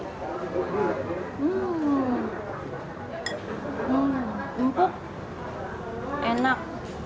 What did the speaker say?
hmm empuk enak